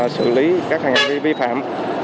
xử lý các hành vi vi phạm